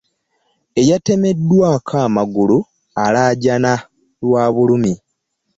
Eyatemeddwaako amagulu alajaana lwa bulumi.